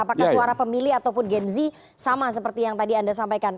apakah suara pemilih ataupun gen z sama seperti yang tadi anda sampaikan